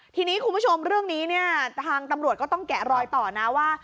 ทีนี้คุณผู้ชมเรื่องนี้เนี่ยทางตำรวจก็ต้องแกะรอยต่อนะว่า